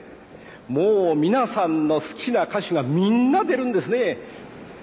もう皆さんの好きな歌手がみんな出るんですね。